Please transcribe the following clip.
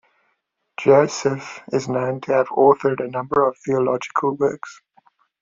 Joasaph is known to have authored a number of theological works.